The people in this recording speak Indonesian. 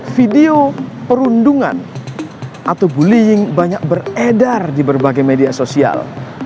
video perundungan atau bullying banyak beredar di berbagai media sosial